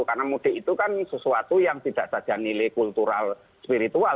karena mudik itu kan sesuatu yang tidak saja nilai kultural spiritual